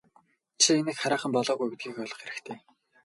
Чи инээх хараахан болоогүй гэдгийг ойлгох хэрэгтэй.